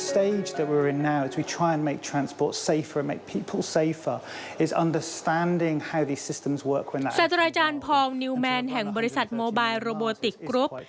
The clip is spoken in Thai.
อาจารย์พองนิวแมนแห่งบริษัทโมบายโรโบติกกรุ๊ป